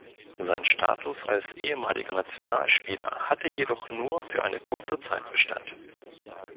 Sein Status als ehemaliger Nationalspieler hatte jedoch nur für eine kurze Zeit bestand.